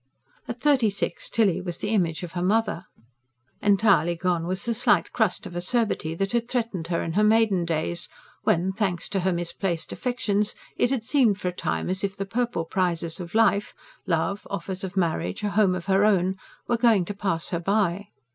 At thirty six Tilly was the image of her mother. Entirely gone was the slight crust of acerbity that had threatened her in her maiden days, when, thanks to her misplaced affections, it had seemed for a time as if the purple prizes of life love, offers of marriage, a home of her own were going to pass her by.